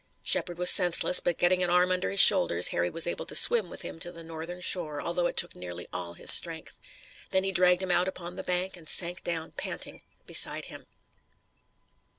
Shepard was senseless, but getting an arm under his shoulders Harry was able to swim with him to the northern shore, although it took nearly all his strength. Then he dragged him out upon the bank, and sank down, panting, beside him.